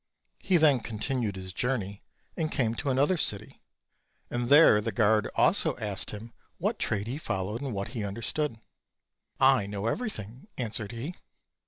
He then continued his journey and came to another city, and there the guard also asked him what trade he followed, and what he understood. "I know everything," answered he.